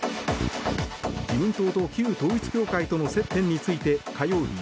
自民党と旧統一教会との接点について火曜日